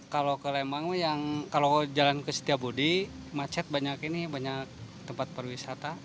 kalau ke lembang kalau jalan ke setiabudi macet banyak ini banyak tempat pariwisata